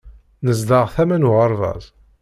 Nezdeɣ tama n uɣerbaz.